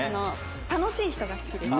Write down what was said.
楽しい人が好きです。